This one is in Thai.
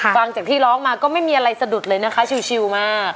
ฟังจากที่ร้องมาก็ไม่มีอะไรสะดุดเลยนะคะชิลมาก